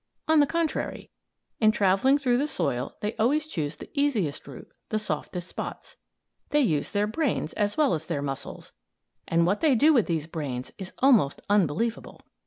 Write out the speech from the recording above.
On the contrary. In travelling through the soil they always choose the easiest route, the softest spots. They use their brains as well as their muscles, and what they do with these brains is almost unbelievable.